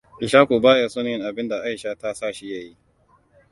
Ishaku baya son yin abinda Aisha ta sa shi ya yi.